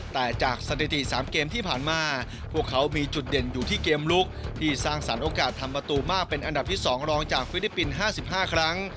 แต่จากสถิติ๓เกมที่ผ่านมาพวกเขามีจุดเด่นอยู่ที่เกมลุกที่สร้างสรรคโอกาสทำประตูมากเป็นอันดับที่๒รองจากฟิลิปปินส์๕๕ครั้ง